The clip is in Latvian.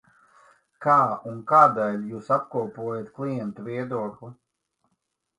Kā un kādēļ jūs apkopojat klientu viedokli?